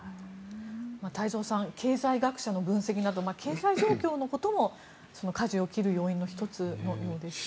太蔵さん経済学者の分析など経済状況のこともかじを切る要因の１つなんですね。